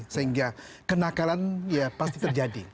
sehingga kenakalan ya pasti terjadi